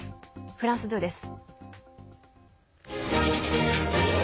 フランス２です。